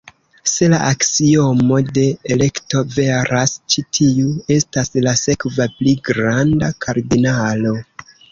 Se la aksiomo de elekto veras, ĉi tiu estas la sekva pli granda kardinalo.